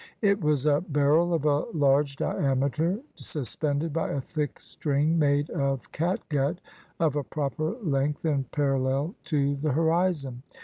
It was a barrel of a large diameter, suspended by a thick string made of catgut of a proper length and parallel, to the hori zon.